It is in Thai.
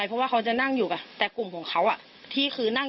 เพราะว่าเขาจะนั่งอยู่กันแต่กลุ่มของเขาที่คือนั่ง